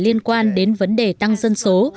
liên quan đến vấn đề tăng dân số